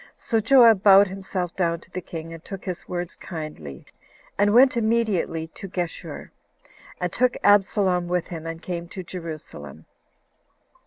So Joab bowed himself down to the king, and took his words kindly, and went immediately to Geshur, and took Absalom with him, and came to Jerusalem.